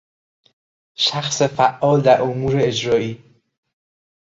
شخص فعال در امور اجرایی